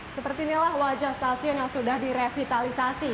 seperti inilah wajah stasiun yang sudah direvitalisasi